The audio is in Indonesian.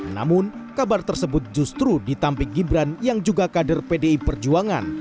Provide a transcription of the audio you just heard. namun kabar tersebut justru ditampik gibran yang juga kader pdi perjuangan